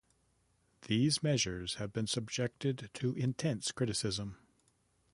These measures have been subjected to intense criticism.